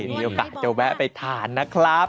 มีโอกาสจะแวะไปทานนะครับ